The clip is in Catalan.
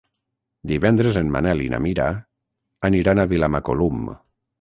Divendres en Manel i na Mira aniran a Vilamacolum.